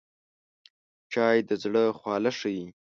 چای د زړه خواله ښيي